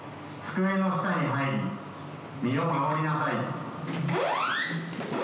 机の下に入り身を守りなさい。